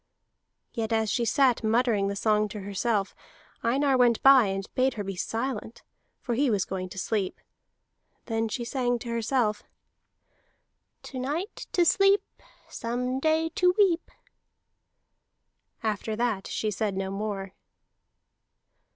Yet as she sat muttering the song to herself, Einar went by and bade her be silent, for he was going to sleep. Then she sang to herself: "To night to sleep, Some day to weep." After that she said no more.